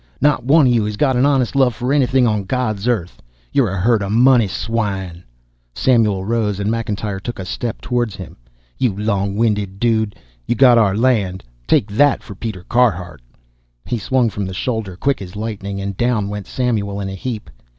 "Not one of you has got an honest love for anything on God's earth! You're a herd of money swine!" Samuel rose and McIntyre took a step toward him. "You long winded dude. You got our land take that for Peter Carhart!" He swung from the shoulder quick as lightning and down went Samuel in a heap.